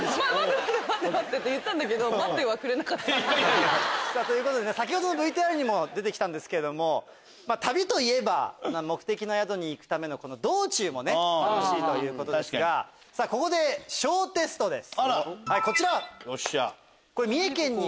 待って待って！って言ったけど待ってはくれなかった。ということで先ほどのＶＴＲにも出てきたんですけども旅といえば目的の宿に行くための道中も楽しいということでここで小テストです。